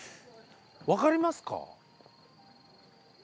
分かりますか？